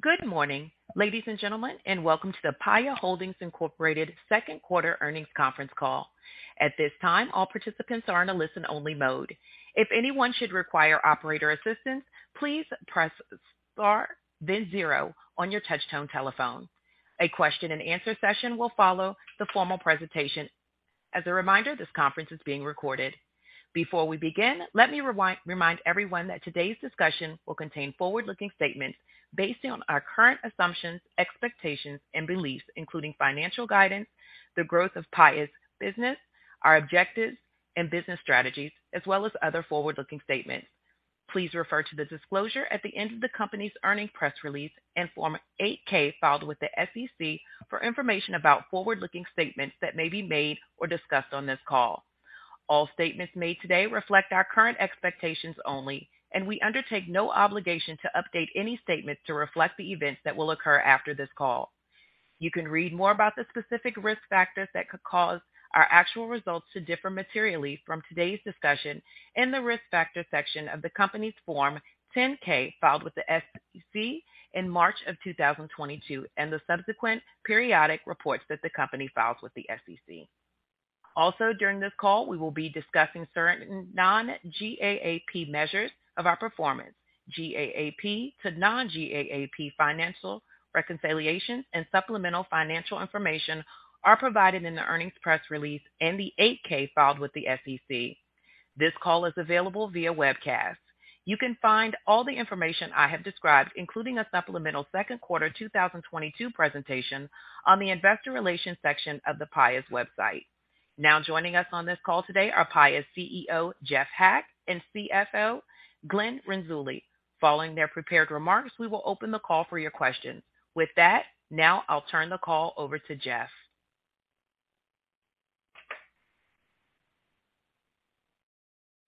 Good morning, ladies and gentlemen, and welcome to the Paya Holdings Inc. second quarter earnings conference call. At this time, all participants are in a listen-only mode. If anyone should require operator assistance, please press star then zero on your touch-tone telephone. A question and answer session will follow the formal presentation. As a reminder, this conference is being recorded. Before we begin, let me remind everyone that today's discussion will contain forward-looking statements based on our current assumptions, expectations, and beliefs, including financial guidance, the growth of Paya's business, our objectives and business strategies, as well as other forward-looking statements. Please refer to the disclosure at the end of the company's earnings press release and Form 8-K filed with the SEC for information about forward-looking statements that may be made or discussed on this call. All statements made today reflect our current expectations only, and we undertake no obligation to update any statement to reflect the events that will occur after this call. You can read more about the specific risk factors that could cause our actual results to differ materially from today's discussion in the Risk Factors section of the company's Form 10-K, filed with the SEC in March 2022 and the subsequent periodic reports that the company files with the SEC. Also, during this call, we will be discussing certain non-GAAP measures of our performance. GAAP to non-GAAP financial reconciliations and supplemental financial information are provided in the earnings press release and the 8-K filed with the SEC. This call is available via webcast. You can find all the information I have described, including a supplemental second quarter 2022 presentation on the investor relations section of Paya's website. Now, joining us on this call today are Paya's CEO, Jeff Hack, and CFO, Glenn Renzulli. Following their prepared remarks, we will open the call for your questions. With that, now I'll turn the call over to Jeff.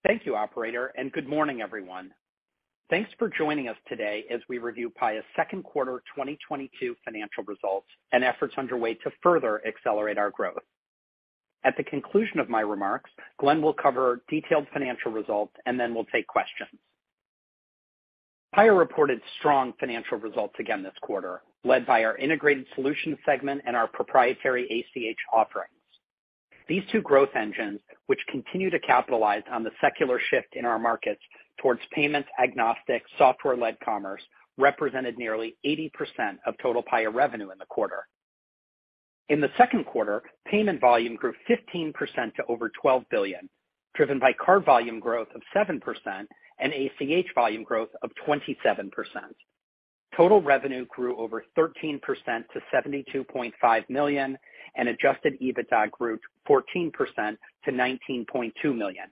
Thank you, operator, and good morning, everyone. Thanks for joining us today as we review Paya's second quarter 2022 financial results and efforts underway to further accelerate our growth. At the conclusion of my remarks, Glenn will cover detailed financial results, and then we'll take questions. Paya reported strong financial results again this quarter, led by our integrated solutions segment and our proprietary ACH offerings. These two growth engines, which continue to capitalize on the secular shift in our markets towards payment agnostic, software-led commerce, represented nearly 80% of total Paya revenue in the quarter. In the second quarter, payment volume grew 15% to over $12 billion, driven by card volume growth of 7% and ACH volume growth of 27%. Total revenue grew over 13% to $72.5 million, and Adjusted EBITDA grew 14% to $19.2 million.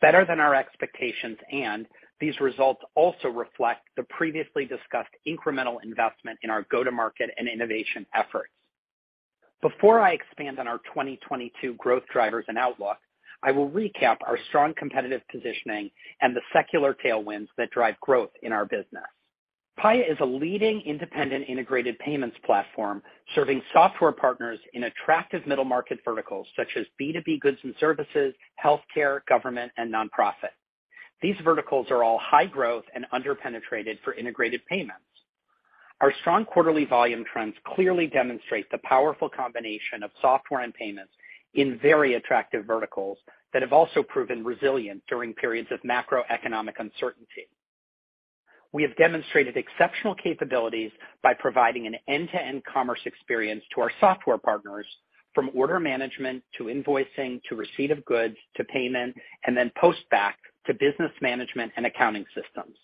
Better than our expectations, and these results also reflect the previously discussed incremental investment in our go-to-market and innovation efforts. Before I expand on our 2022 growth drivers and outlook, I will recap our strong competitive positioning and the secular tailwinds that drive growth in our business. Paya is a leading independent integrated payments platform serving software partners in attractive middle-market verticals such as B2B goods and services, healthcare, government, and nonprofit. These verticals are all high growth and under-penetrated for integrated payments. Our strong quarterly volume trends clearly demonstrate the powerful combination of software and payments in very attractive verticals that have also proven resilient during periods of macroeconomic uncertainty. We have demonstrated exceptional capabilities by providing an end-to-end commerce experience to our software partners from order management to invoicing, to receipt of goods, to payment, and then postback to business management and accounting systems.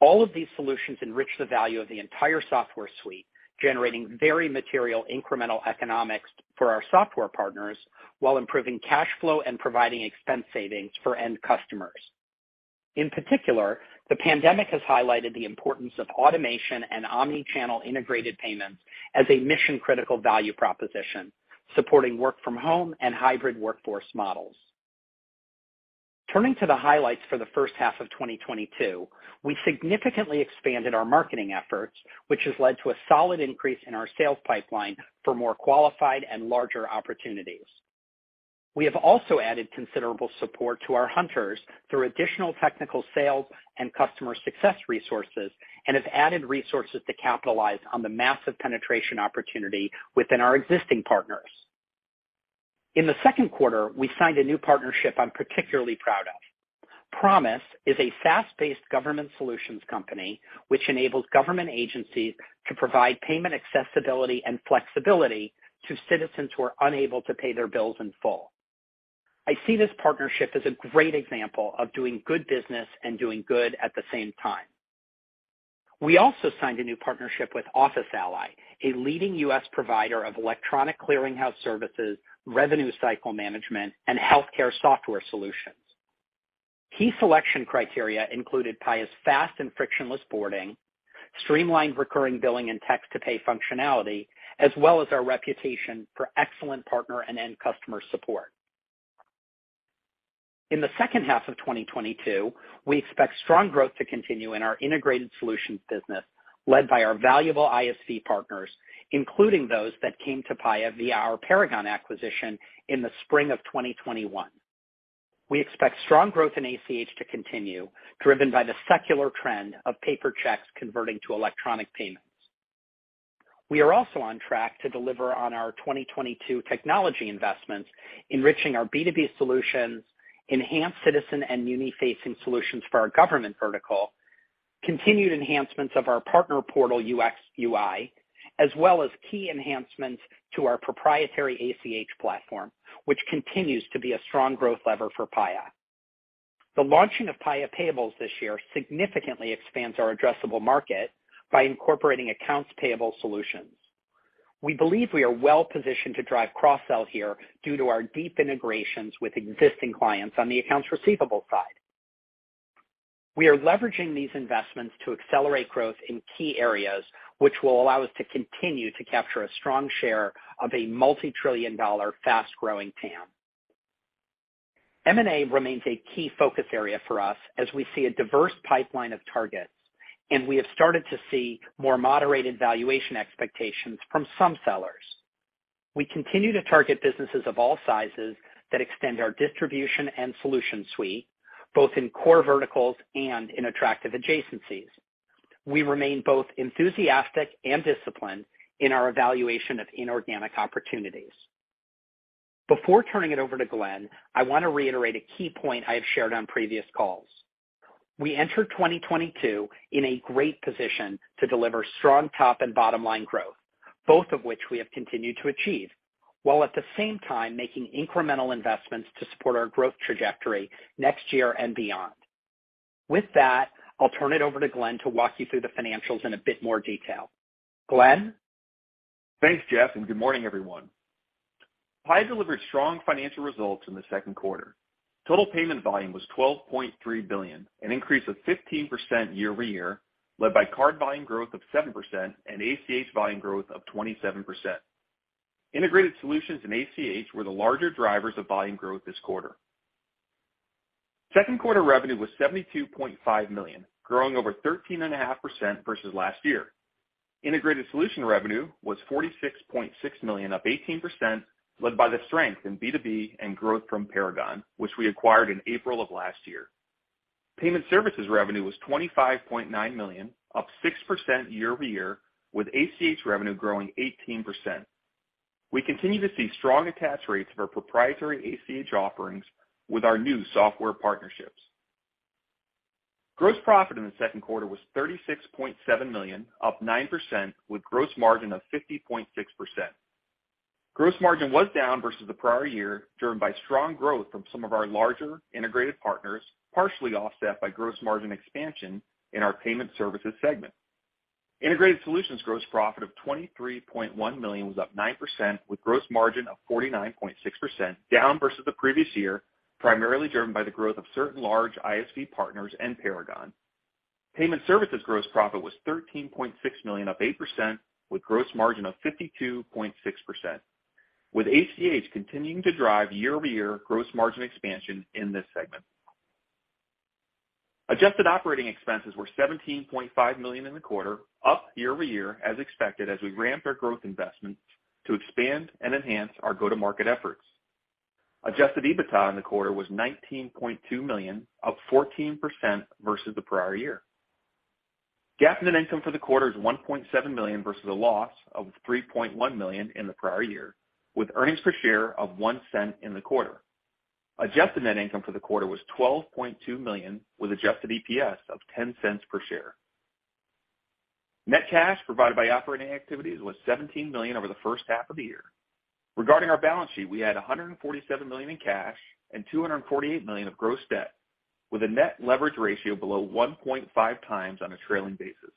All of these solutions enrich the value of the entire software suite, generating very material incremental economics for our software partners while improving cash flow and providing expense savings for end customers. In particular, the pandemic has highlighted the importance of automation and omni-channel integrated payments as a mission-critical value proposition supporting work from home and hybrid workforce models. Turning to the highlights for the first half of 2022, we significantly expanded our marketing efforts, which has led to a solid increase in our sales pipeline for more qualified and larger opportunities. We have also added considerable support to our hunters through additional technical sales and customer success resources and have added resources to capitalize on the massive penetration opportunity within our existing partners. In the second quarter, we signed a new partnership I'm particularly proud of. Promise is a SaaS-based government solutions company which enables government agencies to provide payment accessibility and flexibility to citizens who are unable to pay their bills in full. I see this partnership as a great example of doing good business and doing good at the same time. We also signed a new partnership with Office Ally, a leading U.S. provider of electronic clearinghouse services, revenue cycle management, and healthcare software solutions. Key selection criteria included Paya's fast and frictionless boarding, streamlined recurring billing, and text-to-pay functionality, as well as our reputation for excellent partner and end customer support. In the second half of 2022, we expect strong growth to continue in our integrated solutions business, led by our valuable ISV partners, including those that came to Paya via our Paragon acquisition in the spring of 2021. We expect strong growth in ACH to continue, driven by the secular trend of paper checks converting to electronic payments. We are also on track to deliver on our 2022 technology investments, enriching our B2B solutions, enhanced citizen and muni-facing solutions for our government vertical, continued enhancements of our partner portal UX/UI, as well as key enhancements to our proprietary ACH platform, which continues to be a strong growth lever for Paya. The launching of Paya Payables this year significantly expands our addressable market by incorporating accounts payable solutions. We believe we are well-positioned to drive cross-sell here due to our deep integrations with existing clients on the accounts receivable side. We are leveraging these investments to accelerate growth in key areas, which will allow us to continue to capture a strong share of a multi-trillion dollar fast-growing TAM. M&A remains a key focus area for us as we see a diverse pipeline of targets, and we have started to see more moderated valuation expectations from some sellers. We continue to target businesses of all sizes that extend our distribution and solution suite, both in core verticals and in attractive adjacencies. We remain both enthusiastic and disciplined in our evaluation of inorganic opportunities. Before turning it over to Glenn, I want to reiterate a key point I have shared on previous calls. We entered 2022 in a great position to deliver strong top and bottom line growth, both of which we have continued to achieve, while at the same time making incremental investments to support our growth trajectory next year and beyond. With that, I'll turn it over to Glenn to walk you through the financials in a bit more detail. Glenn? Thanks, Jeff, and good morning, everyone. Paya delivered strong financial results in the second quarter. Total payment volume was $12.3 billion, an increase of 15% year-over-year, led by card volume growth of 7% and ACH volume growth of 27%. Integrated solutions and ACH were the larger drivers of volume growth this quarter. Second quarter revenue was $72.5 million, growing over 13.5% versus last year. Integrated solution revenue was $46.6 million, up 18%, led by the strength in B2B and growth from Paragon, which we acquired in April of last year. Payment services revenue was $25.9 million, up 6% year-over-year, with ACH revenue growing 18%. We continue to see strong attach rates of our proprietary ACH offerings with our new software partnerships. Gross profit in the second quarter was $36.7 million, up 9% with gross margin of 50.6%. Gross margin was down versus the prior year, driven by strong growth from some of our larger integrated partners, partially offset by gross margin expansion in our payment services segment. Integrated solutions gross profit of $23.1 million was up 9% with gross margin of 49.6%, down versus the previous year, primarily driven by the growth of certain large ISV partners and Paragon. Payment services gross profit was $13.6 million, up 8% with gross margin of 52.6%, with ACH continuing to drive year-over-year gross margin expansion in this segment. Adjusted Operating Expenses were $17.5 million in the quarter, up year-over-year as expected as we ramped our growth investments to expand and enhance our go-to-market efforts. Adjusted EBITDA in the quarter was $19.2 million, up 14% versus the prior year. GAAP net income for the quarter is $1.7 million versus a loss of $3.1 million in the prior year, with earnings per share of $0.01 in the quarter. Adjusted Net Income for the quarter was $12.2 million, with Adjusted EPS of $0.10 per share. Net cash provided by operating activities was $17 million over the first half of the year. Regarding our balance sheet, we had $147 million in cash and $248 million of gross debt, with a net leverage ratio below 1.5 times on a trailing basis.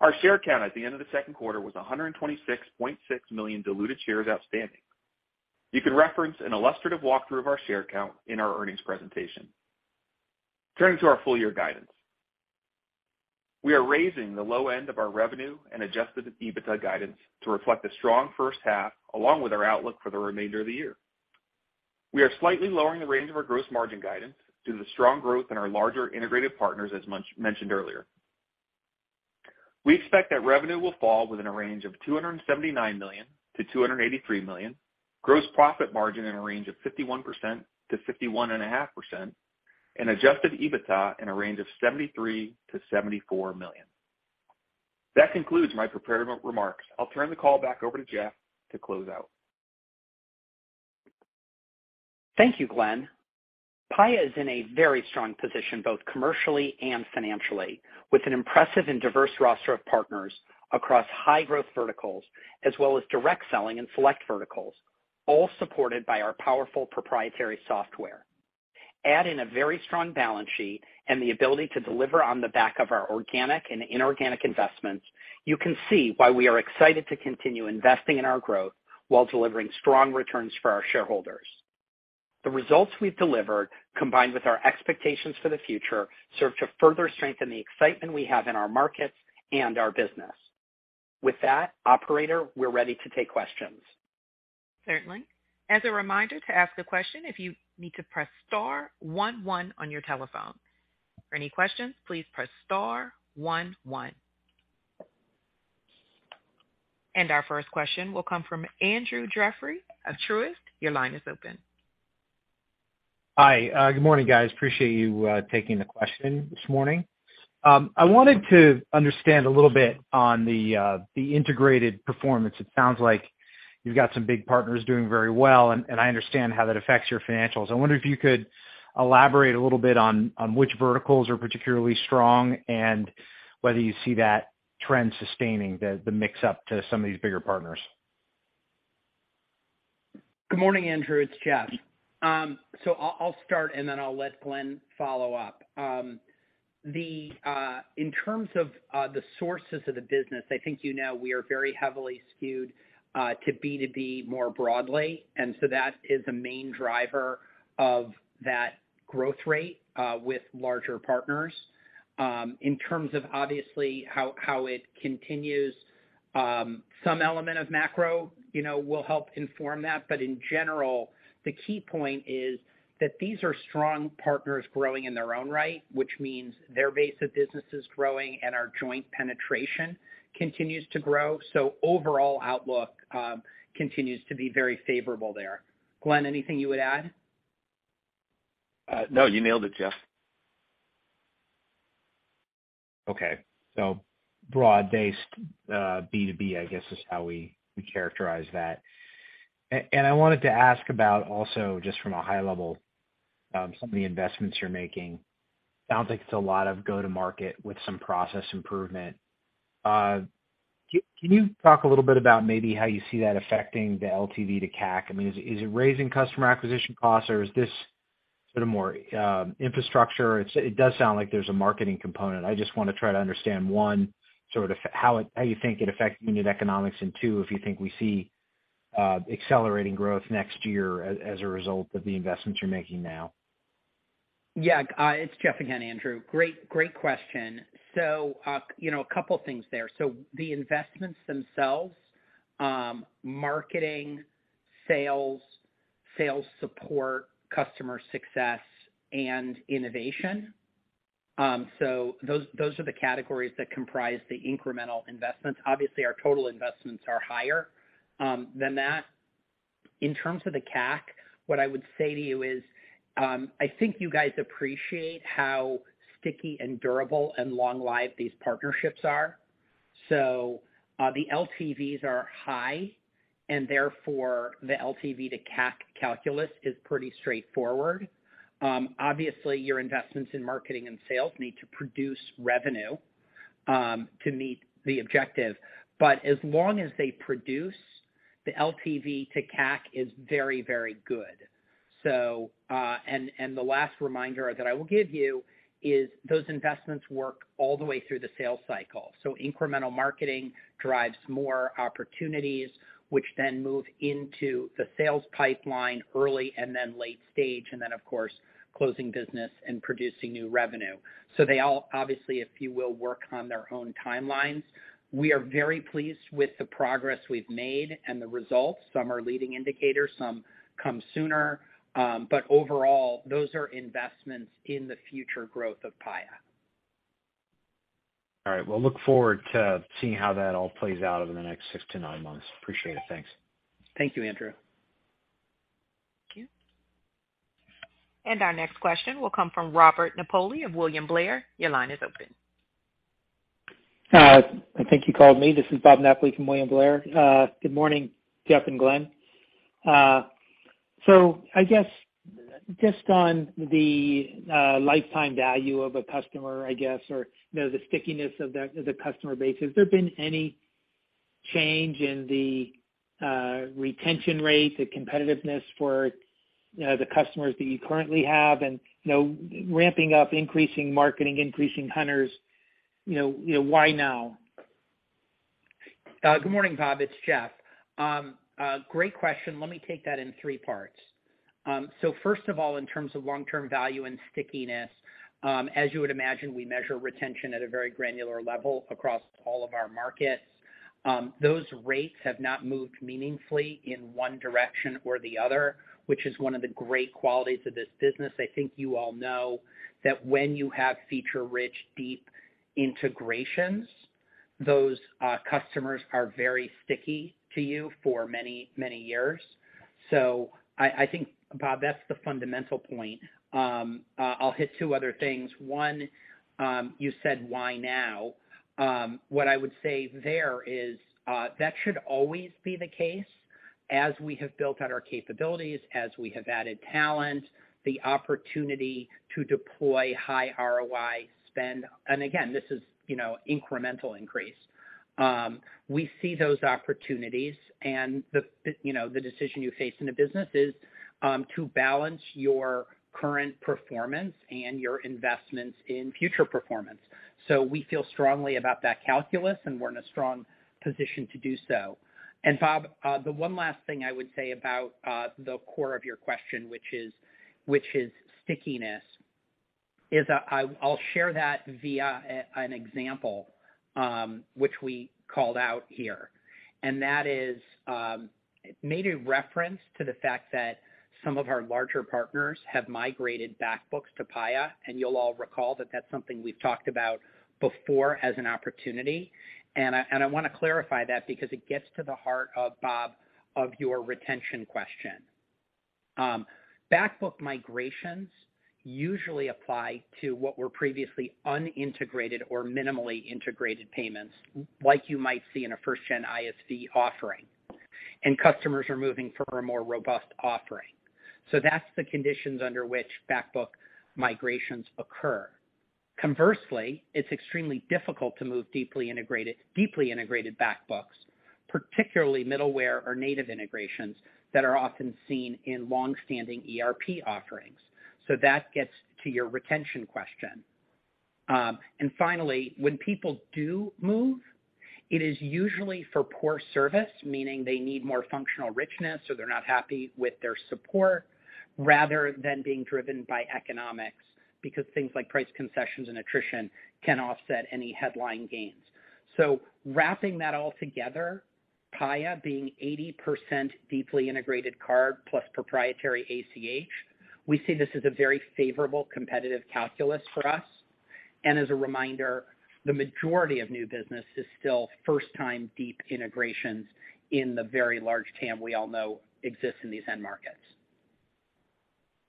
Our share count at the end of the second quarter was 126.6 million diluted shares outstanding. You can reference an illustrative walkthrough of our share count in our earnings presentation. Turning to our full year guidance. We are raising the low end of our revenue and Adjusted EBITDA guidance to reflect the strong first half, along with our outlook for the remainder of the year. We are slightly lowering the range of our gross margin guidance due to the strong growth in our larger integrated partners, as mentioned earlier. We expect that revenue will fall within a range of $279 million-$283 million, gross profit margin in a range of 51%-51.5%, and Adjusted EBITDA in a range of $73 million-$74 million. That concludes my prepared remarks. I'll turn the call back over to Jeff to close out. Thank you, Glenn. Paya is in a very strong position, both commercially and financially, with an impressive and diverse roster of partners across high-growth verticals as well as direct selling and select verticals, all supported by our powerful proprietary software. Add in a very strong balance sheet and the ability to deliver on the back of our organic and inorganic investments, you can see why we are excited to continue investing in our growth while delivering strong returns for our shareholders. The results we've delivered, combined with our expectations for the future, serve to further strengthen the excitement we have in our markets and our business. With that, operator, we're ready to take questions. Certainly. As a reminder, to ask a question, if you need to, press star one one on your telephone. For any questions, please press star one one. Our first question will come from Andrew Jeffrey of Truist. Your line is open. Hi. Good morning, guys. Appreciate you taking the question this morning. I wanted to understand a little bit on the integrated performance. It sounds like you've got some big partners doing very well, and I understand how that affects your financials. I wonder if you could elaborate a little bit on which verticals are particularly strong and whether you see that trend sustaining the mix-up to some of these bigger partners. Good morning, Andrew. It's Jeff. I'll start, and then I'll let Glenn follow up. In terms of the sources of the business, I think you know we are very heavily skewed to B2B more broadly, and so that is a main driver of that growth rate with larger partners. In terms of obviously how it continues, some element of macro, you know, will help inform that. In general, the key point is that these are strong partners growing in their own right, which means their base of business is growing and our joint penetration continues to grow. Overall outlook continues to be very favorable there. Glenn, anything you would add? No, you nailed it, Jeff. Okay. Broad-based, B2B, I guess, is how we characterize that. I wanted to ask about also, just from a high level, some of the investments you're making. Sounds like it's a lot of go to market with some process improvement. Can you talk a little bit about maybe how you see that affecting the LTV to CAC? I mean, is it raising customer acquisition costs, or is this sort of more infrastructure? It does sound like there's a marketing component. I just wanna try to understand, one, sort of how it, how you think it affects unit economics, and two, if you think we see accelerating growth next year as a result of the investments you're making now. Yeah. It's Jeff again, Andrew. Great question. You know, a couple things there. The investments themselves, marketing, sales support, customer success and innovation. Those are the categories that comprise the incremental investments. Obviously, our total investments are higher than that. In terms of the CAC, what I would say to you is, I think you guys appreciate how sticky and durable and long life these partnerships are. The LTVs are high, and therefore the LTV to CAC calculus is pretty straightforward. Obviously, your investments in marketing and sales need to produce revenue to meet the objective. As long as they produce, the LTV to CAC is very, very good. The last reminder that I will give you is those investments work all the way through the sales cycle. Incremental marketing drives more opportunities, which then move into the sales pipeline early and then late stage, and then, of course, closing business and producing new revenue. They all obviously, if you will, work on their own timelines. We are very pleased with the progress we've made and the results. Some are leading indicators, some come sooner. Overall, those are investments in the future growth of Paya. All right. Well, look forward to seeing how that all plays out over the next six-nine months. Appreciate it. Thanks. Thank you, Andrew. Thank you. Our next question will come from Robert Napoli of William Blair. Your line is open. I think you called me. This is Robert Napoli from William Blair. Good morning, Jeff and Glenn. I guess just on the lifetime value of a customer, I guess, or, you know, the stickiness of the customer base, has there been any change in the retention rate, the competitiveness for, you know, the customers that you currently have and, you know, ramping up, increasing marketing, increasing hunters, you know, why now? Good morning, Robert. It's Jeff. Great question. Let me take that in three parts. First of all, in terms of long-term value and stickiness, as you would imagine, we measure retention at a very granular level across all of our markets. Those rates have not moved meaningfully in one direction or the other, which is one of the great qualities of this business. I think you all know that when you have feature-rich, deep integrations, those customers are very sticky to you for many, many years. I think, Robert, that's the fundamental point. I'll hit two other things. One, you said why now? What I would say there is, that should always be the case as we have built out our capabilities, as we have added talent, the opportunity to deploy high ROI spend. This is, you know, incremental increase. We see those opportunities and the, you know, the decision you face in the business is to balance your current performance and your investments in future performance. We feel strongly about that calculus, and we're in a strong position to do so. Robert, the one last thing I would say about the core of your question, which is stickiness, is I'll share that via an example, which we called out here. That is, it made a reference to the fact that some of our larger partners have migrated back books to Paya, and you'll all recall that that's something we've talked about before as an opportunity. I wanna clarify that because it gets to the heart of, Robert, of your retention question. Back book migrations usually apply to what were previously unintegrated or minimally integrated payments, like you might see in a first-gen ISV offering. Customers are moving for a more robust offering. That's the conditions under which back book migrations occur. Conversely, it's extremely difficult to move deeply integrated back books, particularly middleware or native integrations that are often seen in long-standing ERP offerings. That gets to your retention question. Finally, when people do move, it is usually for poor service, meaning they need more functional richness or they're not happy with their support rather than being driven by economics, because things like price concessions and attrition can offset any headline gains. Wrapping that all together, Paya being 80% deeply integrated card plus proprietary ACH, we see this as a very favorable competitive calculus for us. As a reminder, the majority of new business is still first-time deep integrations in the very large TAM we all know exists in these end markets.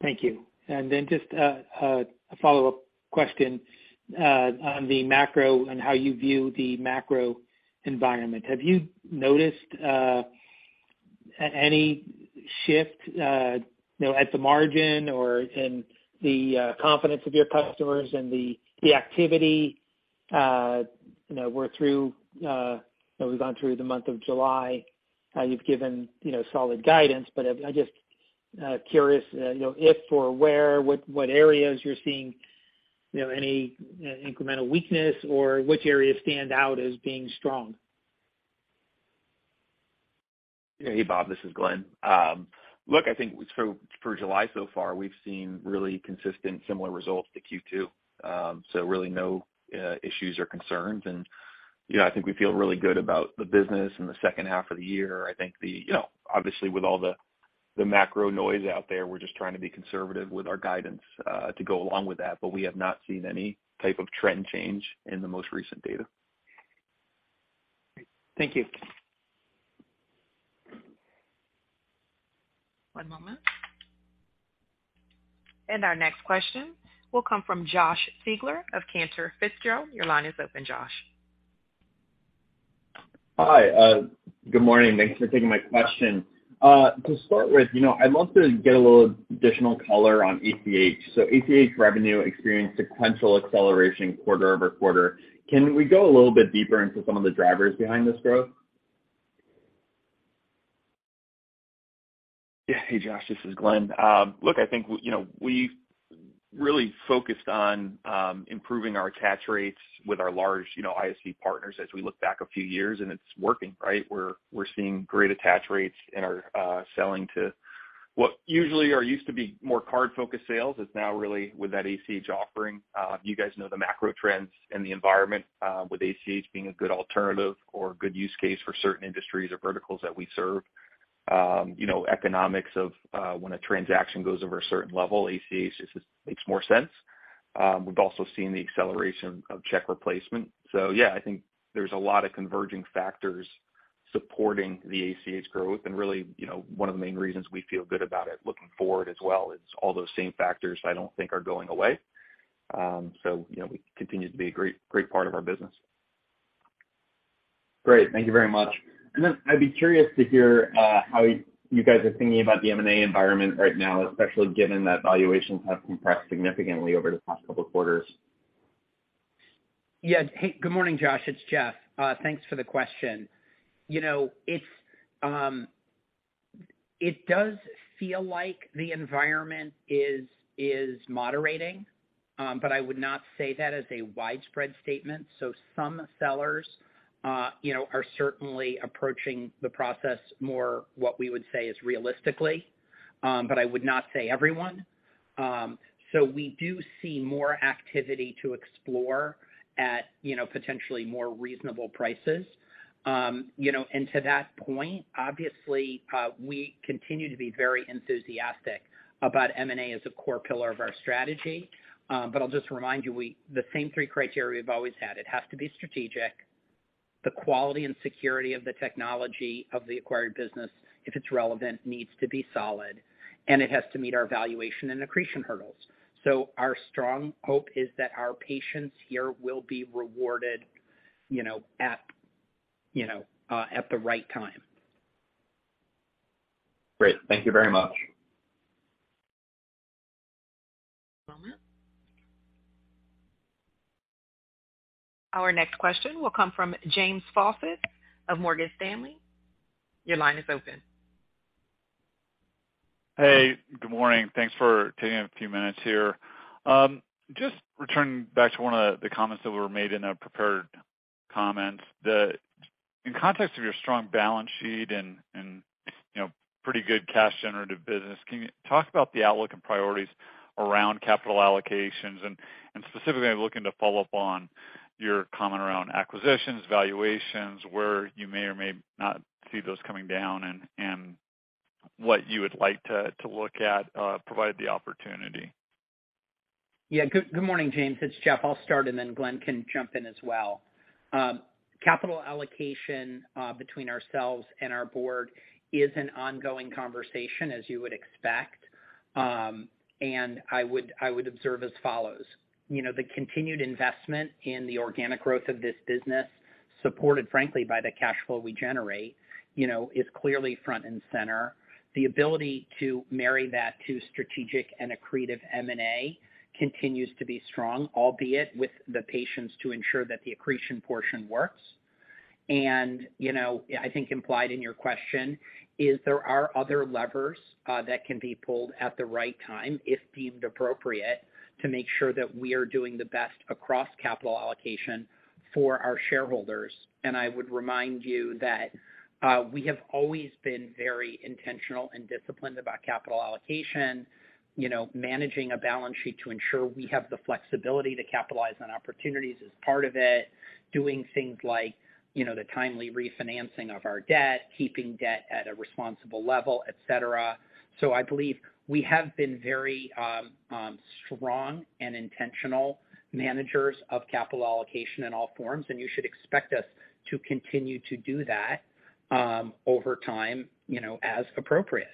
Thank you. Then just a follow-up question on the macro and how you view the macro environment. Have you noticed any shift, you know, at the margin or in the confidence of your customers and the activity? You know, we're through, you know, we've gone through the month of July, how you've given, you know, solid guidance. But I'm just curious, you know, if or where, what areas you're seeing, you know, any incremental weakness or which areas stand out as being strong. Yeah. Hey, Robert, this is Glenn. Look, I think for July so far, we've seen really consistent similar results to Q2. So really, no issues or concerns. You know, I think we feel really good about the business in the second half of the year. I think, you know, obviously with all the macro noise out there, we're just trying to be conservative with our guidance to go along with that, but we have not seen any type of trend change in the most recent data. Thank you. One moment. Our next question will come from Josh Siegler of Cantor Fitzgerald. Your line is open, Josh. Hi. Good morning. Thanks for taking my question. To start with, you know, I'd love to get a little additional color on ACH. ACH revenue experienced sequential acceleration quarter over quarter. Can we go a little bit deeper into some of the drivers behind this growth? Yeah. Hey, Josh, this is Glenn. Look, I think, you know, we've really focused on improving our attach rates with our large, you know, ISV partners as we look back a few years, and it's working, right? We're seeing great attach rates and are selling to what usually or used to be more card-focused sales is now really with that ACH offering. You guys know the macro trends and the environment with ACH being a good alternative or good use case for certain industries or verticals that we serve. You know, economics of when a transaction goes over a certain level, ACH makes more sense. We've also seen the acceleration of check replacement. Yeah, I think there's a lot of converging factors supporting the ACH growth. Really, you know, one of the main reasons we feel good about it looking forward as well is all those same factors I don't think are going away. You know, we continue to be a great part of our business. Great. Thank you very much. I'd be curious to hear how you guys are thinking about the M&A environment right now, especially given that valuations have compressed significantly over the past couple of quarters. Yeah. Hey, good morning, Josh. It's Jeff. Thanks for the question. You know, it does feel like the environment is moderating, but I would not say that as a widespread statement. Some sellers, you know, are certainly approaching the process more, what we would say is realistically, but I would not say everyone. We do see more activity to explore at, you know, potentially more reasonable prices. You know, and to that point, obviously, we continue to be very enthusiastic about M&A as a core pillar of our strategy. But I'll just remind you, the same three criteria we've always had. It has to be strategic, the quality and security of the technology of the acquired business, if it's relevant, needs to be solid, and it has to meet our valuation and accretion hurdles. Our strong hope is that our patience here will be rewarded, you know, at, you know, at the right time. Great. Thank you very much. One moment. Our next question will come from James Faucette of Morgan Stanley. Your line is open. Hey, good morning. Thanks for taking a few minutes here. Just returning back to one of the comments that were made in a prepared comment that in context of your strong balance sheet and, you know, pretty good cash generative business. Can you talk about the outlook and priorities around capital allocations? Specifically, I'm looking to follow up on your comment around acquisitions, valuations, where you may or may not see those coming down and what you would like to look at provided the opportunity. Yeah. Good morning, James. It's Jeff. I'll start, and then Glenn can jump in as well. Capital allocation between ourselves and our board is an ongoing conversation, as you would expect. I would observe as follows. You know, the continued investment in the organic growth of this business, supported frankly by the cash flow we generate, you know, is clearly front and center. The ability to marry that to strategic and accretive M&A continues to be strong, albeit with the patience to ensure that the accretion portion works. You know, I think implied in your question is there are other levers that can be pulled at the right time, if deemed appropriate, to make sure that we are doing the best across capital allocation for our shareholders. I would remind you that we have always been very intentional and disciplined about capital allocation, you know, managing a balance sheet to ensure we have the flexibility to capitalize on opportunities is part of it, doing things like, you know, the timely refinancing of our debt, keeping debt at a responsible level, et cetera. I believe we have been very strong and intentional managers of capital allocation in all forms, and you should expect us to continue to do that over time, you know, as appropriate.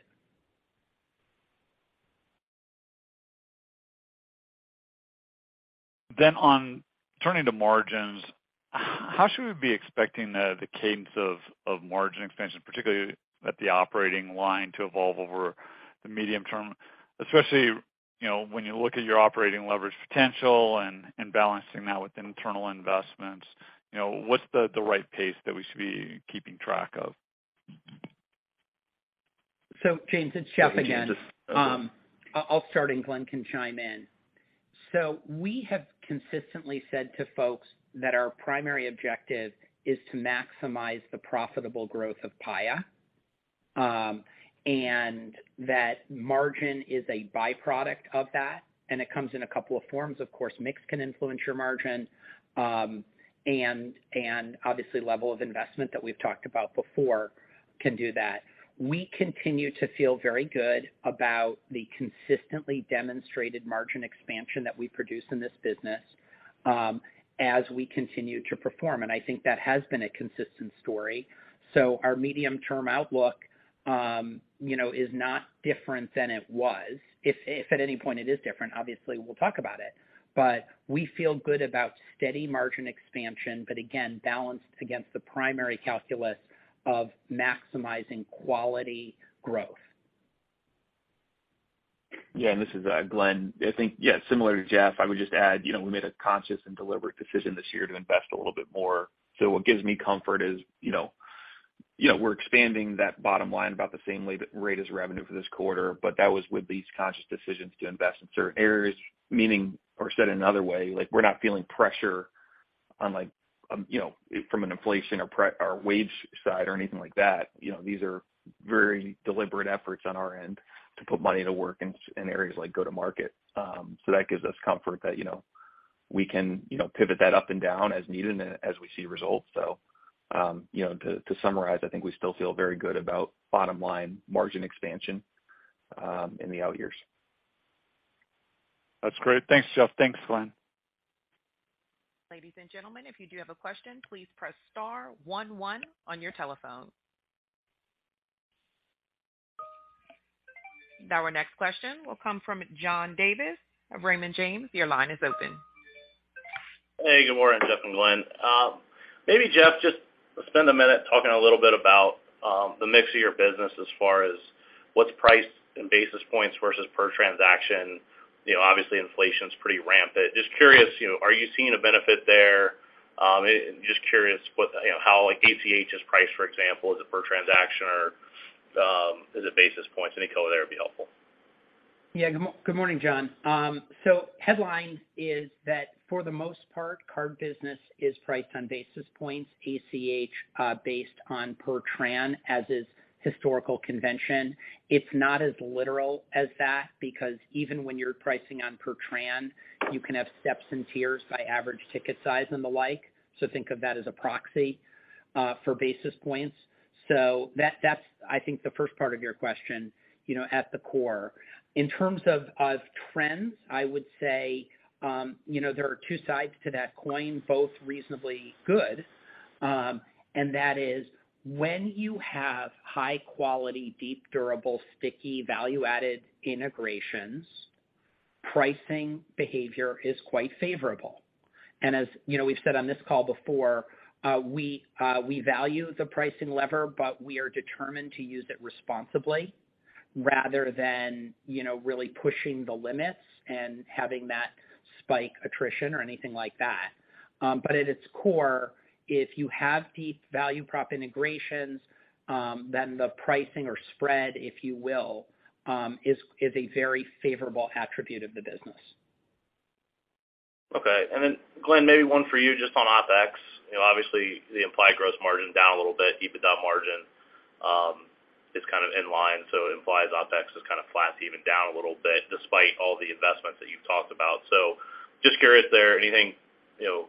On turning to margins, how should we be expecting the cadence of margin expansion, particularly at the operating line, to evolve over the medium term? Especially, you know, when you look at your operating leverage potential and balancing that with internal investments, you know, what's the right pace that we should be keeping track of? James, it's Jeff again. I'll start and Glenn can chime in. We have consistently said to folks that our primary objective is to maximize the profitable growth of Paya, and that margin is a byproduct of that, and it comes in a couple of forms. Of course, mix can influence your margin, and obviously level of investment that we've talked about before can do that. We continue to feel very good about the consistently demonstrated margin expansion that we produce in this business, as we continue to perform. I think that has been a consistent story. Our medium-term outlook, you know, is not different than it was. If at any point it is different, obviously we'll talk about it. We feel good about steady margin expansion, but again, balanced against the primary calculus of maximizing quality growth. This is Glenn. I think, yeah, similar to Jeff, I would just add, you know, we made a conscious and deliberate decision this year to invest a little bit more. What gives me comfort is, you know, we're expanding that bottom line about the same rate as revenue for this quarter, but that was with these conscious decisions to invest in certain areas, meaning or said another way, like we're not feeling pressure on like, you know, from an inflation or price or wage side or anything like that. You know, these are very deliberate efforts on our end to put money to work in areas like go-to-market. That gives us comfort that, you know, we can, you know, pivot that up and down as needed and as we see results. You know, to summarize, I think we still feel very good about bottom line margin expansion in the out years. That's great. Thanks, Jeff. Thanks, Glenn. Ladies and gentlemen, if you do have a question, please press star one one on your telephone. Now our next question will come from John Davis of Raymond James. Your line is open. Hey, good morning, Jeff and Glenn. Maybe Jeff, just spend a minute talking a little bit about the mix of your business as far as what's priced in basis points versus per transaction. You know, obviously inflation's pretty rampant. Just curious, you know, are you seeing a benefit there? Just curious what, you know, how like ACH is priced, for example. Is it per transaction or is it basis points? Any color there would be helpful. Yeah. Good morning, John. Headline is that for the most part, card business is priced on basis points, ACH based on per transaction, as is historical convention. It's not as literal as that because even when you're pricing on per transaction, you can have steps and tiers by average ticket size and the like. Think of that as a proxy for basis points. That's I think the first part of your question, you know, at the core. In terms of trends, I would say, you know, there are two sides to that coin, both reasonably good. That is when you have high quality, deep, durable, sticky value-added integrations, pricing behavior is quite favorable. As you know, we've said on this call before, we value the pricing lever, but we are determined to use it responsibly rather than, you know, really pushing the limits and having that spike attrition or anything like that. But at its core, if you have deep value prop integrations, then the pricing or spread, if you will, is a very favorable attribute of the business. Okay. Glenn, maybe one for you just on OpEx. You know, obviously the implied gross margin down a little bit, EBITDA margin is kind of in line, so it implies OpEx is kind of flat to even down a little bit despite all the investments that you've talked about. Just curious there, anything, you know,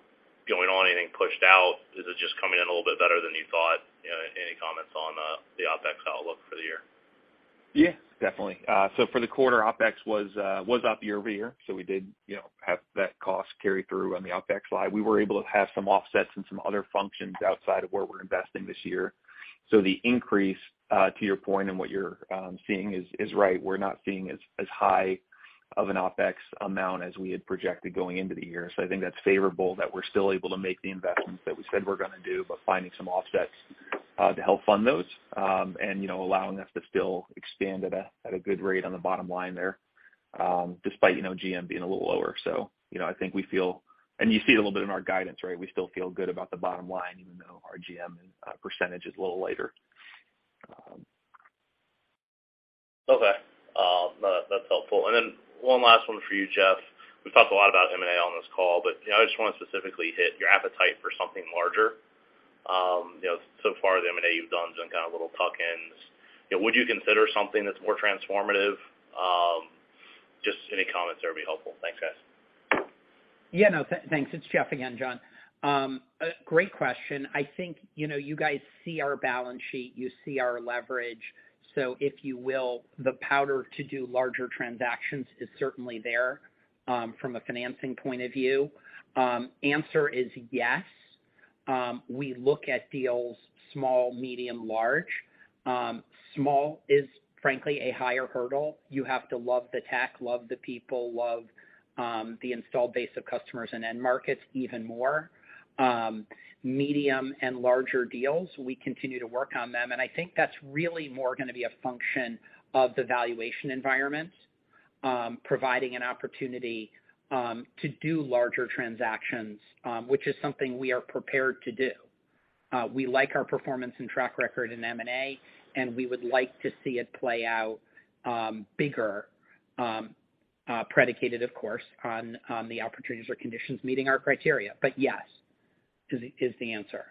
going on, anything pushed out, is it just coming in a little bit better than you thought? You know, any comments on the OpEx outlook for the year? Yeah, definitely. For the quarter, OpEx was up year-over-year. We did, you know, have that cost carry through on the OpEx slide. We were able to have some offsets in some other functions outside of where we're investing this year. The increase, to your point and what you're seeing, is right. We're not seeing as high of an OpEx amount as we had projected going into the year. I think that's favorable that we're still able to make the investments that we said we're gonna do, but finding some offsets to help fund those, and, you know, allowing us to still expand at a good rate on the bottom line there, despite, you know, GM being a little lower. You know, I think we feel, and you see it a little bit in our guidance, right? We still feel good about the bottom line, even though our GM percentage is a little lighter. Okay. That's helpful. One last one for you, Jeff. We've talked a lot about M&A on this call, I just wanna specifically hit your appetite for something larger. So far the M&A you've done has been kind of little tuck-ins. Would you consider something that's more transformative? Just any comments there would be helpful. Thanks, guys. Yeah, no. Thanks. It's Jeff again, John. A great question. I think, you know, you guys see our balance sheet, you see our leverage. So if you will, the powder to do larger transactions is certainly there from a financing point of view. Answer is yes. We look at deals small, medium, large. Small is frankly a higher hurdle. You have to love the tech, love the people, love the installed base of customers and end markets even more. Medium and larger deals, we continue to work on them, and I think that's really more gonna be a function of the valuation environments providing an opportunity to do larger transactions, which is something we are prepared to do. We like our performance and track record in M&A, and we would like to see it play out bigger, predicated of course on the opportunities or conditions meeting our criteria. Yes, is the answer.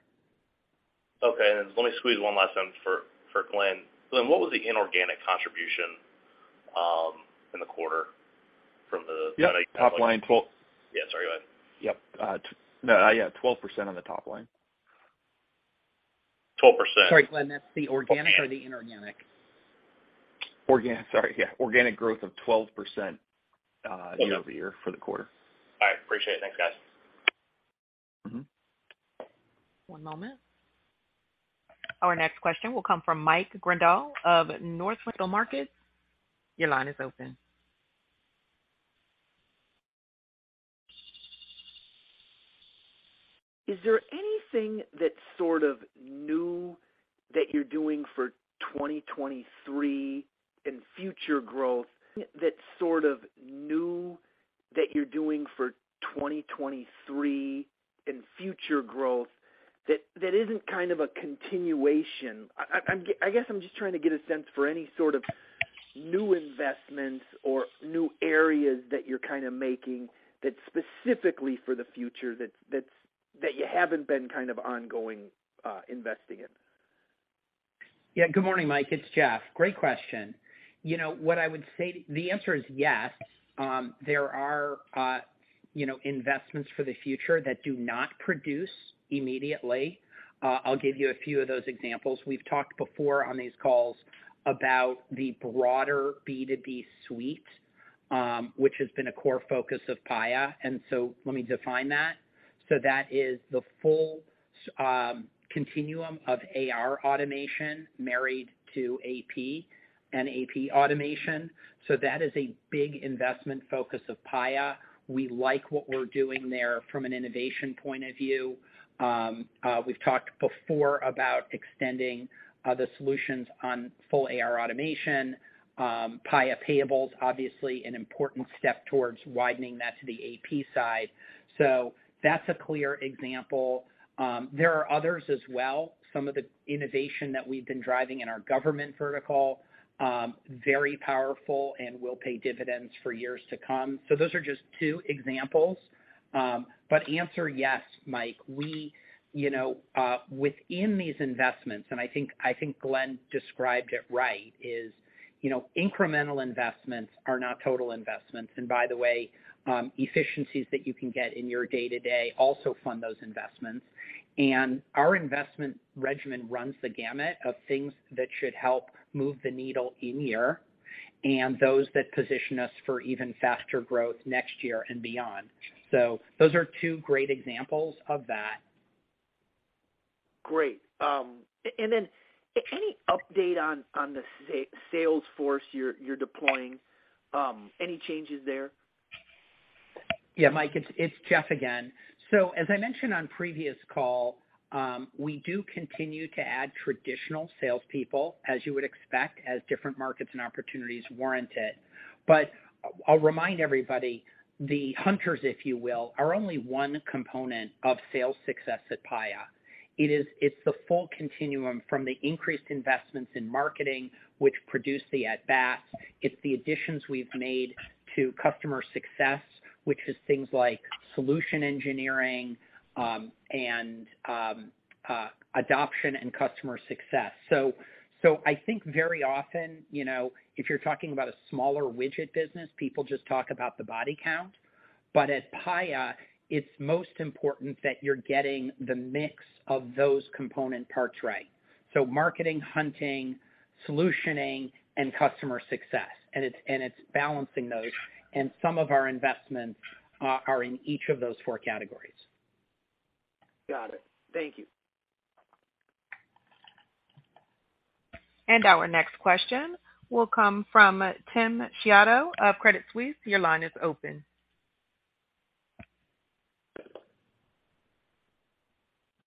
Okay. Let me squeeze one last time for Glenn. Glenn, what was the inorganic contribution in the quarter from the- Yeah. Top line 12- Yeah, sorry, go ahead. Yep. Yeah, 12% on the top line. 12%. Sorry, Glenn, that's the organic or the inorganic? Sorry. Yeah. Organic growth of 12% year-over-year for the quarter. All right. Appreciate it. Thanks, guys. Mm-hmm. One moment. Our next question will come from Michael Grondahl of Northland Capital Markets. Your line is open. Is there anything that's sort of new that you're doing for 2023 in future growth that isn't kind of a continuation? I guess I'm just trying to get a sense for any sort of new investments or new areas that you're kinda making that's specifically for the future that you haven't been kind of ongoing investing in. Yeah. Good morning, Michael. It's Jeff. Great question. You know what I would say the answer is yes. There are, you know, investments for the future that do not produce immediately. I'll give you a few of those examples. We've talked before on these calls about the broader B2B suite, which has been a core focus of Paya. Let me define that. That is the full continuum of AR automation married to AP and AP automation. That is a big investment focus of Paya. We like what we're doing there from an innovation point of view. We've talked before about extending the solutions on full AR automation. Paya Payables obviously an important step towards widening that to the AP side. That's a clear example. There are others as well, some of the innovation that we've been driving in our government vertical, very powerful and will pay dividends for years to come. Those are just two examples. Answer yes, Michael. We, you know, within these investments, and I think Glenn described it right, is, you know, incremental investments are not total investments. By the way, efficiencies that you can get in your day-to-day also fund those investments. Our investment regimen runs the gamut of things that should help move the needle in year, and those that position us for even faster growth next year and beyond. Those are two great examples of that. Great. Any update on the sales force you're deploying? Any changes there? Yeah, Michael, it's Jeff again. As I mentioned on previous call, we do continue to add traditional salespeople as you would expect, as different markets and opportunities warrant it. I'll remind everybody, the hunters, if you will, are only one component of sales success at Paya. It's the full continuum from the increased investments in marketing which produce the at bat. It's the additions we've made to customer success, which is things like solution engineering, and adoption and customer success. I think very often, you know, if you're talking about a smaller widget business, people just talk about the body count. At Paya, it's most important that you're getting the mix of those component parts right. Marketing, hunting, solutioning, and customer success, and it's balancing those. Some of our investments are in each of those four categories. Got it. Thank you. Our next question will come from Timothy Chiodo of Credit Suisse. Your line is open.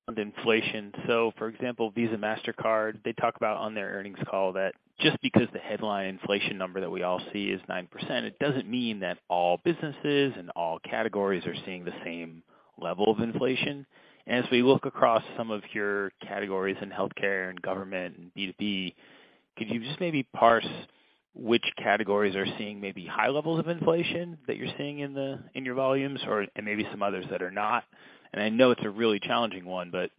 On inflation. For example, Visa, Mastercard, they talk about on their earnings call that just because the headline inflation number that we all see is 9%, it doesn't mean that all businesses and all categories are seeing the same level of inflation. As we look across some of your categories in healthcare and government and B2B, could you just maybe parse which categories are seeing maybe high levels of inflation that you're seeing in your volumes or, and maybe some others that are not? I know it's a really challenging one, but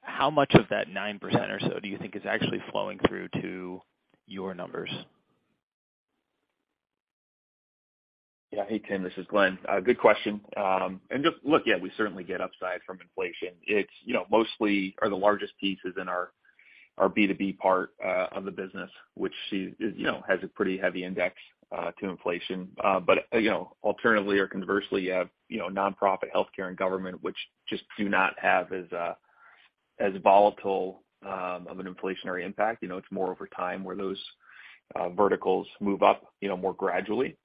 how much of that 9% or so do you think is actually flowing through to your numbers? Yeah. Hey, Timothy, this is Glenn. Good question. Just look, yeah, we certainly get upside from inflation. It's, you know, mostly are the largest pieces in our B2B part of the business, which is, you know, has a pretty heavy index to inflation. You know, alternatively or conversely, you have, you know, nonprofit healthcare and government, which just do not have as volatile of an inflationary impact. You know, it's more over time where those verticals move up, you know, more gradually.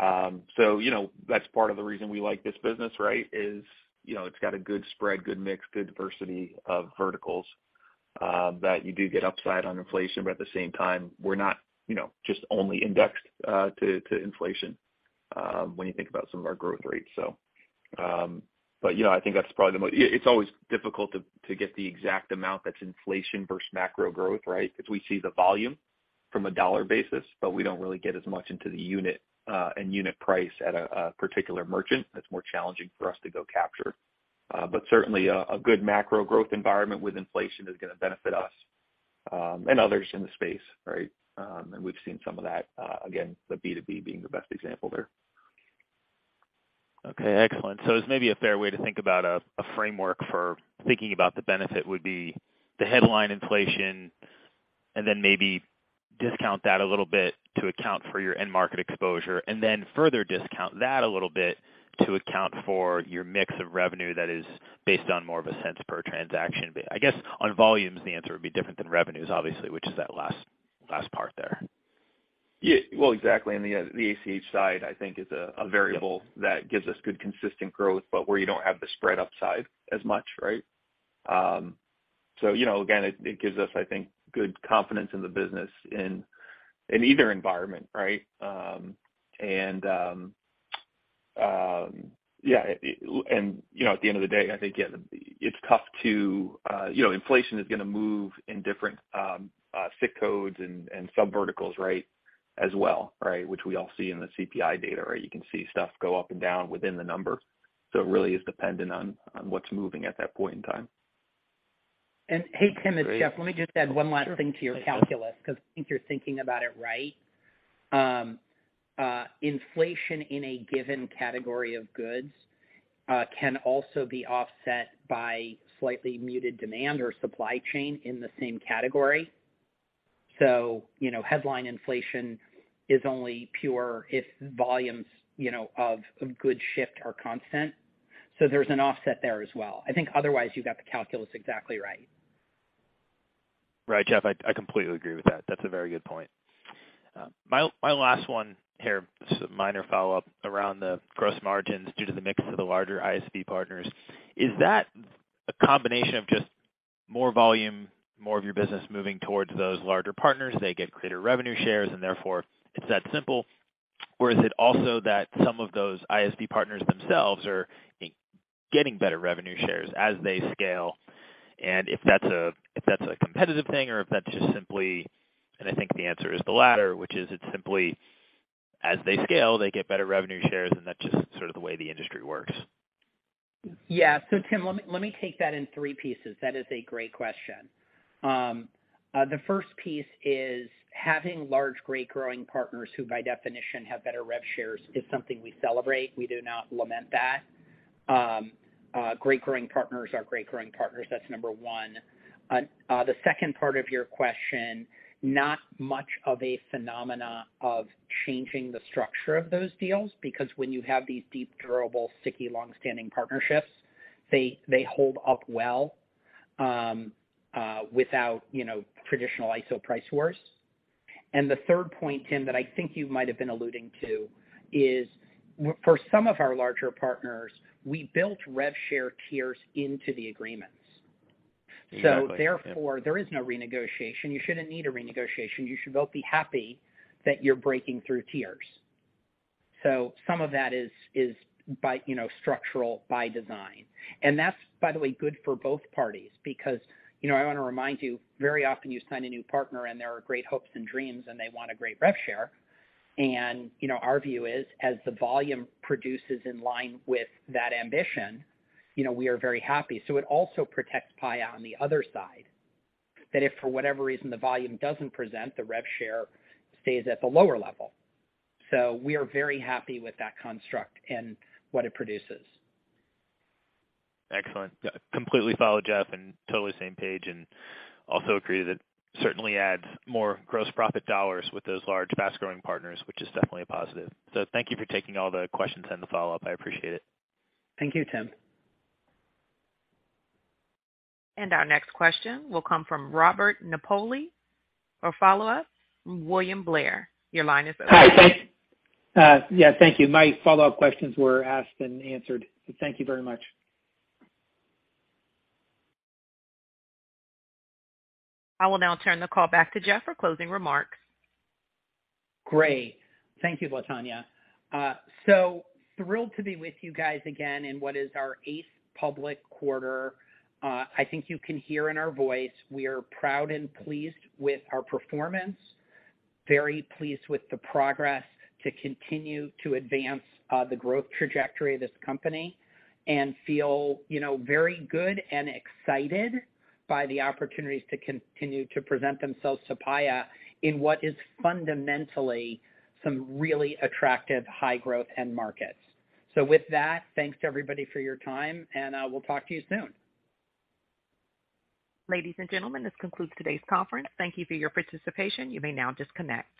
You know, that's part of the reason we like this business, right, is, you know, it's got a good spread, good mix, good diversity of verticals that you do get upside on inflation. At the same time, we're not, you know, just only indexed to inflation when you think about some of our growth rates, so. You know, I think it's always difficult to get the exact amount that's inflation versus macro growth, right? 'Cause we see the volume from a dollar basis, but we don't really get as much into the unit and unit price at a particular merchant. That's more challenging for us to go capture. Certainly a good macro growth environment with inflation is gonna benefit us and others in the space, right? We've seen some of that again, the B2B being the best example there. Okay, excellent. Is maybe a fair way to think about a framework for thinking about the benefit the headline inflation and then maybe discount that a little bit to account for your end market exposure, and then further discount that a little bit to account for your mix of revenue that is based on more of a cents per transaction. But I guess on volumes, the answer would be different than revenues, obviously, which is that last part there. Yeah. Well, exactly. The ACH side, I think is a variable that gives us good consistent growth, but where you don't have the spread upside as much, right? You know, again, it gives us, I think, good confidence in the business in either environment, right? Yeah. You know, at the end of the day, I think, yeah, it's tough to. You know, inflation is gonna move in different SIC codes and subverticals, right, as well, right, which we all see in the CPI data, right? You can see stuff go up and down within the number. It really is dependent on what's moving at that point in time. Hey, Timothy, it's Jeff. Let me just add one last thing to your calculus because I think you're thinking about it right. Inflation in a given category of goods can also be offset by slightly muted demand or supply chain in the same category. You know, headline inflation is only pure if volumes, you know, of goods shift are constant. There's an offset there as well. I think otherwise you got the calculus exactly right. Right, Jeff. I completely agree with that. That's a very good point. My last one here, just a minor follow-up around the gross margins due to the mix of the larger ISV partners. Is that a combination of just more volume, more of your business moving towards those larger partners, they get greater revenue shares and therefore it's that simple? Or is it also that some of those ISV partners themselves are getting better revenue shares as they scale, and if that's a competitive thing or if that's just simply and I think the answer is the latter, which is it's simply as they scale, they get better revenue shares, and that's just sort of the way the industry works. Yeah. Timothy, let me take that in three pieces. That is a great question. The first piece is having large, great growing partners who by definition have better rev shares is something we celebrate. We do not lament that. Great growing partners are great growing partners. That's number one. The second part of your question, not much of a phenomenon of changing the structure of those deals, because when you have these deep, durable, sticky, long-standing partnerships, they hold up well, without, you know, traditional ISO price wars. The third point, Timothy, that I think you might have been alluding to is for some of our larger partners, we built rev share tiers into the agreements. Exactly. Therefore, there is no renegotiation. You shouldn't need a renegotiation. You should both be happy that you're breaking through tiers. Some of that is by, you know, structural by design. That's, by the way, good for both parties because, you know, I wanna remind you very often you sign a new partner and there are great hopes and dreams, and they want a great rev share. You know, our view is as the volume produces in line with that ambition, you know, we are very happy. It also protects Paya on the other side that if for whatever reason the volume doesn't present, the rev share stays at the lower level. We are very happy with that construct and what it produces. Excellent. I completely follow Jeff and I'm totally on the same page, and I also agree that it certainly adds more gross profit dollars with those large fast-growing partners, which is definitely a positive. Thank you for taking all the questions and the follow-up. I appreciate it. Thank you, Timothy. Our next question will come from Robert Napoli, for follow-up, William Blair. Your line is open. Hi. Thanks. Yeah, thank you. My follow-up questions were asked and answered. Thank you very much. I will now turn the call back to Jeff for closing remarks. Great. Thank you, Latonya. So thrilled to be with you guys again in what is our eighth public quarter. I think you can hear in our voice we are proud and pleased with our performance. Very pleased with the progress to continue to advance the growth trajectory of this company and feel, you know, very good and excited by the opportunities to continue to present themselves to Paya in what is fundamentally some really attractive high growth end markets. With that, thanks to everybody for your time and, we'll talk to you soon. Ladies and gentlemen, this concludes today's conference. Thank you for your participation. You may now disconnect.